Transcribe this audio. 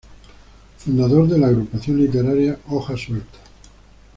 Fundador de la agrupación literaria "Hojas Sueltas".